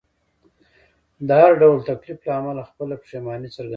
د هر ډول تکلیف له امله خپله پښیماني څرګندوم.